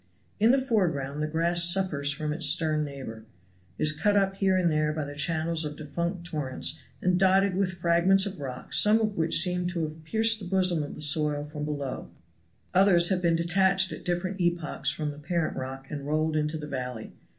In the foreground the grass suffers from its stern neighbor, is cut up here and there by the channels of defunct torrents, and dotted with fragments of rock, some of which seem to have pierced the bosom of the soil from below, others have been detached at different epochs from the parent rock and rolled into the valley.